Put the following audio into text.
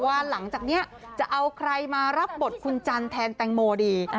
หลังจากนี้จะเอาใครมารับบทคุณจันทร์แทนแตงโมดี